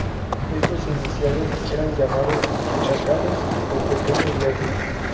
Estos iniciados eran llamados ""chacales"", o ""pequeños lobos"".